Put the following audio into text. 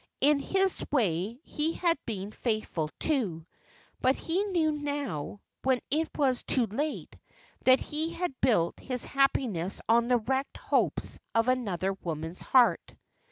In his way he had been faithful, too, but he knew now, when it was too late, that he had built his happiness on the wrecked hopes of another woman's heart.